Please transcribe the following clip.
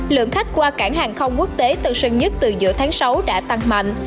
lượng khách qua cảng hàng không quốc tế tận sân nhất từ giữa tháng sáu đã tăng mạnh